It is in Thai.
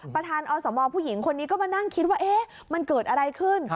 ประธานอสมผู้หญิงคนนี้ก็มานั่งคิดว่ามันเกิดอะไรขึ้น